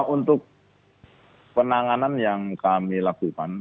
untuk penanganan yang kami lakukan